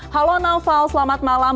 halo naufal selamat malam